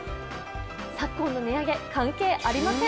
昨今の値上げ、関係ありません！